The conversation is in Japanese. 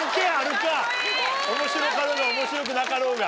面白かろうが面白くなかろうが。